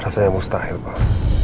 rasanya mustahil pak